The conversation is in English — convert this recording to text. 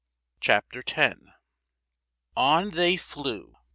CHAPTER X. On they flew.